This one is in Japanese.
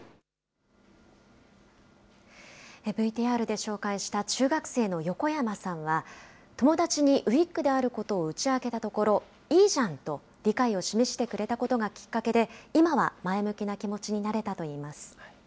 ＶＴＲで紹介した中学生の横山さんは、友達にウィッグであることを打ち明けたところ、いいじゃんと、理解を示してくれたことがきっかけで、今は前向きな気持ちになれたといいます。